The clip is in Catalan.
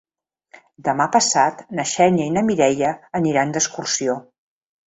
Demà passat na Xènia i na Mireia aniran d'excursió.